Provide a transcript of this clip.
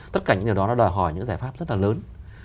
tất cả những điều đó nó đòi hỏi những giải pháp rất là lớn